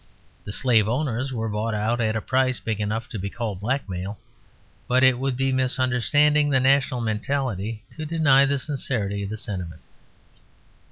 The slave owners were bought out at a price big enough to be called blackmail; but it would be misunderstanding the national mentality to deny the sincerity of the sentiment.